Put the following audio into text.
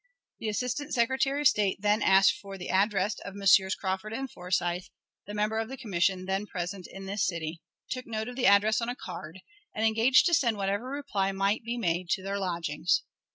The Assistant Secretary of State then asked for the address of Messrs. Crawford and Forsyth, the members of the commission then present in this city, took note of the address on a card, and engaged to send whatever reply might be made to their lodgings.